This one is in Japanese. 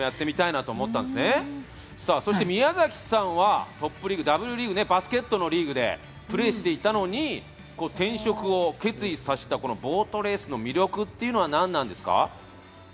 宮崎さんはバスケットのＷリーグでプレーしていたのに転職を決意させたボートレースの魅力は何なんですか？